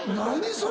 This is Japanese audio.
それ！